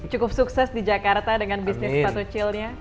cukup sukses di jakarta dengan bisnisnya